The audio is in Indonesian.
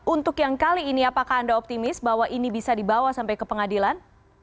untuk yang kali ini apakah anda optimis bahwa ini bisa dibawa sampai ke pengadilan